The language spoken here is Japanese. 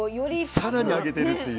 更に上げてるっていう。